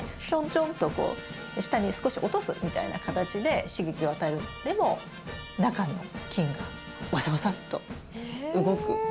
ちょんちょんとこう下に少し落とすみたいな形で刺激を与えるのでも中の菌がワサワサッと動く。